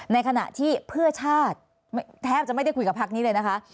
ในขณะที่เพื่อชาติแทบจะไม่ได้คุยกับพักนี้เลยนะคะ